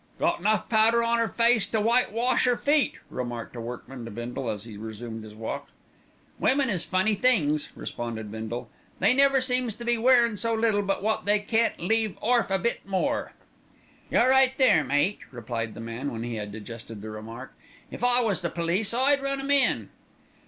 "Got enough powder on 'er face to whitewash 'er feet," remarked a workman to Bindle as he resumed his walk. "Women is funny things," responded Bindle. "They never seems to be wearin' so little, but wot they can't leave orf a bit more." "You're right, mate," replied the man when he had digested the remark. "If I was the police I'd run 'em in."